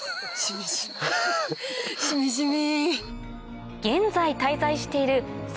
しみじみ。